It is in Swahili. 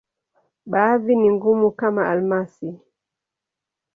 Baadhi ni ngumu, kama almasi.